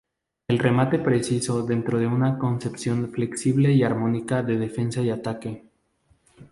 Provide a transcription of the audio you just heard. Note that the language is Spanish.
El remate preciso dentro de una concepción flexible y armónica de defensa y ataque.